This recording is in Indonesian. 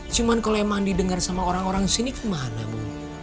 cuman kalau yang mandi dengar sama orang orang sini kemana ibu